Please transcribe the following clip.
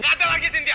gak ada lagi sitiah